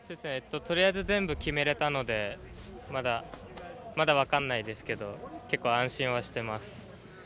とりあえず全部決めれたのでまだ分かんないですけど結構、安心はしています。